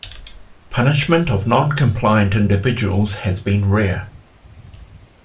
Punishment of noncompliant individuals has been rare.